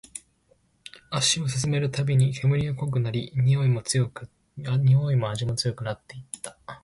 足を進めるたびに、煙は濃くなり、においも味も強くなっていった